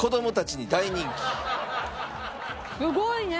すごいね！